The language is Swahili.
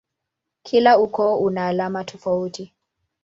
Kila ukoo una alama tofauti.